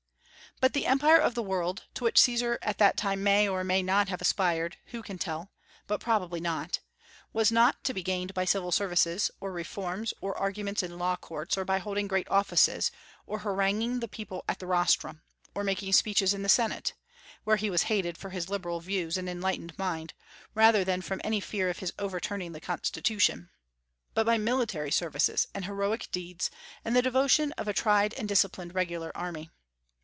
But the empire of the world to which Caesar at that time may, or may not, have aspired: who can tell? but probably not was not to be gained by civil services, or reforms, or arguments in law courts, or by holding great offices, or haranguing the people at the rostrum, or making speeches in the Senate, where he was hated for his liberal views and enlightened mind, rather than from any fear of his overturning the constitution, but by military services and heroic deeds and the devotion of a tried and disciplined regular army.